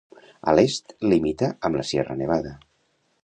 A l'est, limita amb la Sierra Nevada.